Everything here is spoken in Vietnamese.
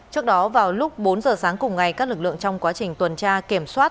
trước đó vào lúc bốn giờ sáng cùng ngày các lực lượng trong quá trình tuần tra kiểm soát